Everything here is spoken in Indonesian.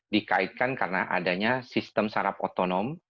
dikaitkan karena adanya sistem sarap otonom